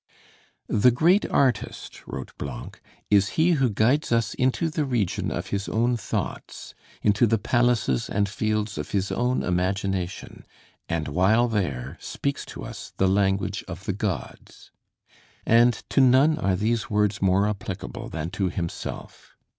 "The great artist," wrote Blanc, "is he who guides us into the region of his own thoughts, into the palaces and fields of his own imagination, and while there, speaks to us the language of the gods;" and to none are these words more applicable than to himself.